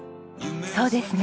そうですね。